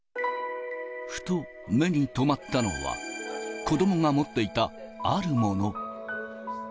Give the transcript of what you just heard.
ふと目に留まったのは、子どもが持っていたあるもの。